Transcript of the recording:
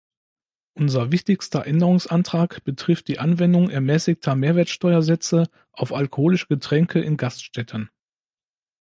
Unser wichtigster Änderungsantrag betrifft die Anwendung ermäßigter Mehrwertsteuersätze auf alkoholische Getränke in Gaststätten.